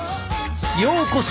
ようこそ！